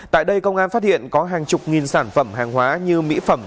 tại đây công an phát hiện có hàng chục nghìn sản phẩm hàng hóa như mỹ phẩm